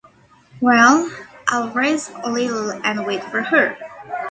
Well, I'll rest a little and wait for her.